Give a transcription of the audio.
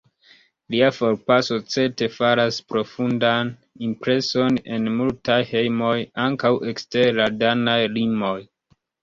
Lia forpaso certe faras profundan impreson en multaj hejmoj, ankaŭ ekster la danaj limoj.